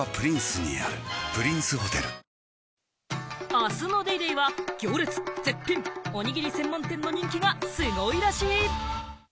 あすの『ＤａｙＤａｙ．』は、行列、絶品おにぎり専門店の人気がすごいらしい。